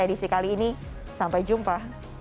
edisi kali ini sampai jumpa